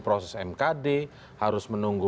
proses mkd harus menunggu